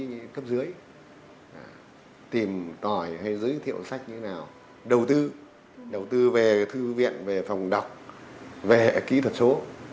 tìm ý cấp dưới tìm tỏi hay giới thiệu sách như thế nào đầu tư đầu tư về thư viện về phòng đọc về kỹ thuật số